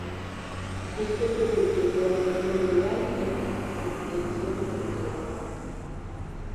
Isto é produto do abandono do rural e da falta de ordenación do territorio.